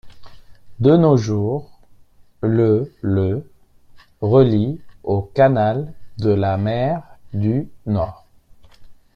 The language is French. De nos jours, le le relie au Canal de la Mer du Nord.